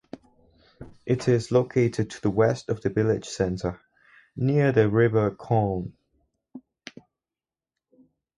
It is located to the west of the village centre, near the River Colne.